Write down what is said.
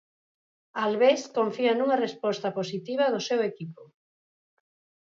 Albés confía nunha resposta positiva do seu equipo.